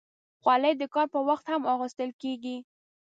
خولۍ د کار پر وخت هم اغوستل کېږي.